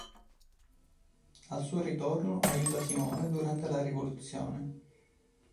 Al suo ritorno, aiuta Simone durante la rivoluzione.